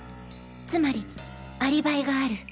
つまりアリバイがある。